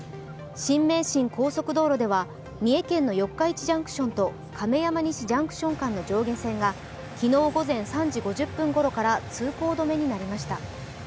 新名神高速道路では三重県の四日市ジャンクションと亀山西ジャンクション間の上下線が昨日午前３時５０分ごろから通行止めになりました。